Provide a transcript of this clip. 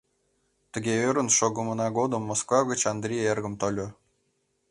Тыге ӧрын шогымына годым Москва гыч Андрий эргым тольо.